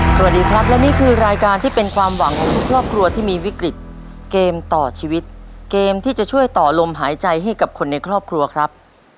สวัสดีครับและนี่คือรายการที่เป็นความหวังของทุกครอบครัวที่มีวิกฤตเกมต่อชีวิตเกมที่จะช่วยต่อลมหายใจให้กับคนในครอบครัวครับ